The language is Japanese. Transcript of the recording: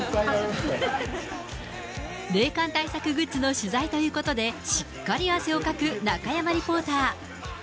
冷感対策グッズの取材ということで、しっかり汗をかく中山リポーター。